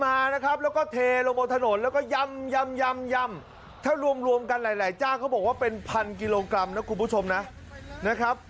มานะครับแล้วก็เทลงบนถนนแล้วก็ย่ำยำถ้ารวมรวมกันหลายหลายเจ้าเขาบอกว่าเป็นพันกิโลกรัมนะคุณผู้ชมนะนะครับ